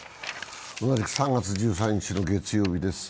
同じく３月１３日の月曜日です。